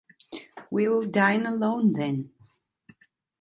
We will dine alone, then.